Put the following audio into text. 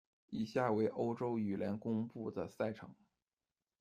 以下为欧洲羽联公布的赛程：